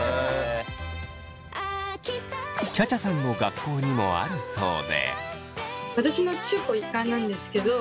ちゃちゃさんの学校にもあるそうで。